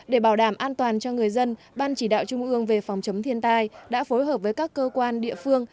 để bảo đảm an toàn cho người dân ban chỉ đạo trung ương về phòng chống thiên tai đã phối hợp với các cơ quan địa phương